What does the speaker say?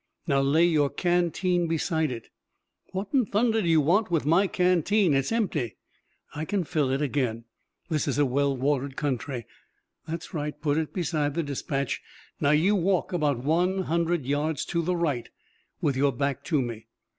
Now, lay your canteen beside it!" "What in thunder do you want with my canteen? It's empty!" "I can fill it again. This is a well watered country. That's right; put it beside the dispatch. Now you walk about one hundred yards to the right with your back to me.